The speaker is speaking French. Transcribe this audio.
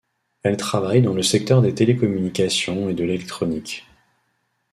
Elle travaille dans le secteur des télécommunications et de l'électronique.